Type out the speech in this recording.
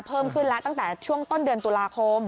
เพิ่มขึ้นแล้วตั้งแต่ช่วงต้นเดือนตุลาคม